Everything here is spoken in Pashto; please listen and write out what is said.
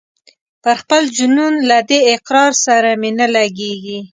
پر خپل جنون له دې اقرار سره مي نه لګیږي